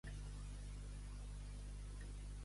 Bada i no badis.